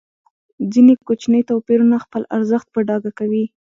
ځینې کوچني توپیرونه خپل ارزښت په ډاګه کوي.